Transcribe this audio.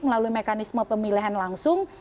melalui mekanisme pemilihan langsung